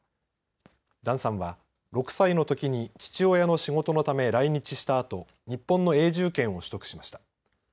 ダンさんは６歳のときに父親の仕事のため来日したあと日本の永住権を取得しました。